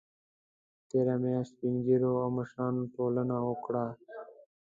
تېره میاشت سپین ږیرو او مشرانو ټولنه وکړه